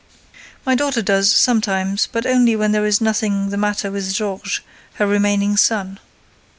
My daughter does, sometimes, but only when there is nothing the matter with Georges, her remaining son!